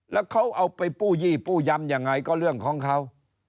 แล้วเขาเอาไปกู้ยี่ปู้ยำยังไงก็เรื่องของเขา